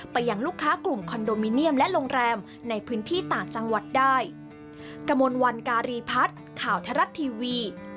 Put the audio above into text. ไปยังลูกค้ากลุ่มคอนโดมิเนียมและโรงแรมในพื้นที่ต่างจังหวัดได้